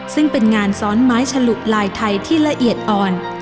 ซึ่งเป็นงานซ้อนไม้ฉลุลายไทยที่ละเอียดอ่อน